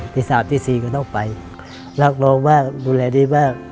ที่สามที่สี่ก็ต้องไปรักโรงมากดูแลดีมาก